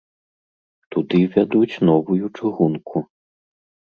Туды вядуць новую чыгунку.